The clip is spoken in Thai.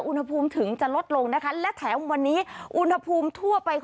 อุณหภูมิถึงจะลดลงนะคะ